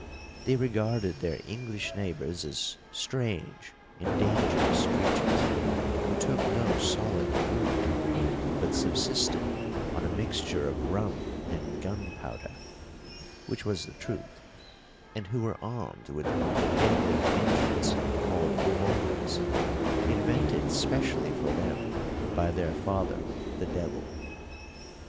They regarded their English neighbours as strange and dangerous creatures, who took no solid food, but subsisted on a mixture of rum and gunpowder (which was the truth), and who were armed with deadly engines called revolvers, invented specially for them by their father the devil.